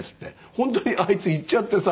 本当にあいつ行っちゃってさ。